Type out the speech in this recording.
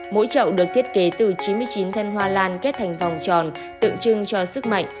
mỗi chậu được thiết kế từ chín mươi chín thân hoa lan kết thành vòng tròn tượng trưng cho sức mạnh